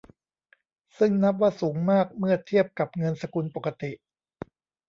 ซึ่งนับว่าสูงมากเมื่อเทียบกับเงินสกุลปกติ